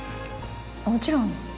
もちろん。